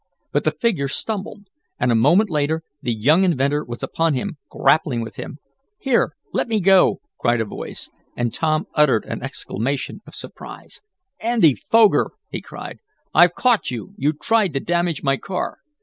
But the figure stumbled, and, a moment later the young inventor was upon him, grappling with him. "Here! Let me go!" cried a voice, and Tom uttered an exclamation of surprise. "Andy Foger!" he cried. "I've caught you! You tried to damage my car!"